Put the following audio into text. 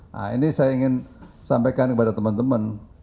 nah ini saya ingin sampaikan kepada teman teman